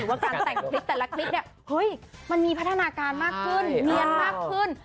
ว่าการแต่งคลิปแต่ละคลิปเนี่ยเฮ้ยมันมีพัฒนาการมากขึ้นเนียนมากขึ้น